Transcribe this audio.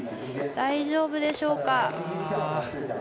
大丈夫でしょうか。